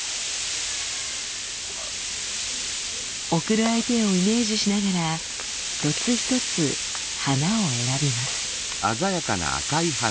贈る相手をイメージしながら一つ一つ花を選びます。